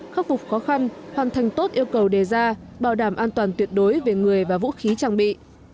khắc phục khó khăn hoàn thành tốt yêu cầu đề ra bảo đảm an toàn tuyệt đối về người và vũ khí trang bị